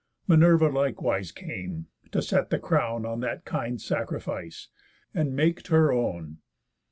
Minerva likewise came, to set the crown On that kind sacrifice, and make 't her own.